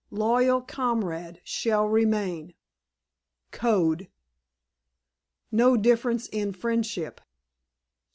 "Loyal comrade. Shall remain." "Code." "No difference in friendship."